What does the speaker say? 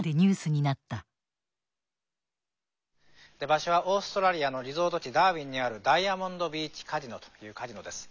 場所はオーストラリアのリゾート地ダーウィンにあるダイヤモンドビーチカジノというカジノです。